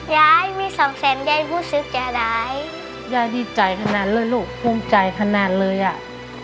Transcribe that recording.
ยายมีสองแสนยายรู้สึกจะได้ยายดีใจขนาดเลยลูกภูมิใจขนาดเลยอ่ะ